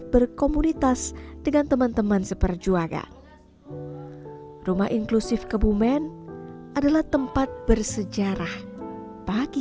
berkomunitas dengan teman teman seperjuangan rumah inklusif kebumen adalah tempat bersejarah bagi